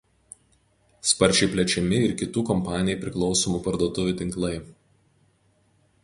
Sparčiai plečiami ir kitų kompanijai priklausomų parduotuvių tinklai.